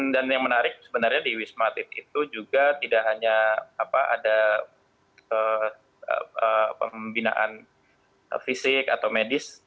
dan yang menarik sebenarnya di wismatit itu juga tidak hanya ada pembinaan fisik atau medis